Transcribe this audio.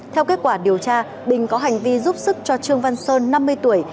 theo kết quả điều tra bình có hành vi giúp sức cho trương văn sơn năm mươi tuổi